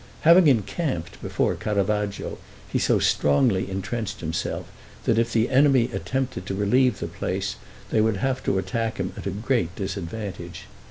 Having encamped before Caravaggio, he so strongly entrenched himself, that if the enemy attempted to relieve the place, they would have to attack him at a great disadvantage.